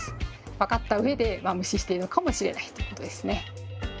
分かったうえで無視しているのかもしれないということですね。